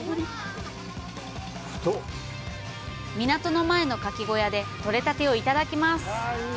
港の前の牡蠣小屋でとれたてをいただきます。